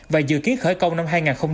và dự kiến khởi công năm hai nghìn hai mươi